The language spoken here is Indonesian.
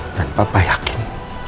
dan papa yakin